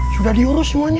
sudah diurus semuanya